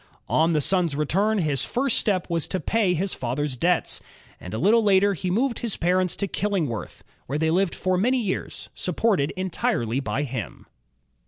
On the son's return, his first step was to pay his father's debts, and a little later he moved his parents to Killingworth, where they lived for many years, supported entirely by him.